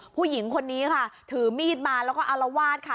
ผู้หญิงคนนี้ค่ะถือมีดมาแล้วก็อารวาสค่ะ